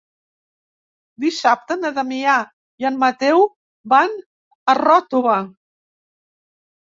Dissabte na Damià i en Mateu van a Ròtova.